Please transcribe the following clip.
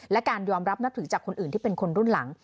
และการยอมรับนับถือจากคนอื่นที่เป็นคนรุ่นหลัง